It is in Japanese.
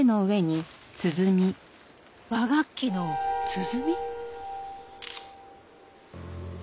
和楽器の鼓？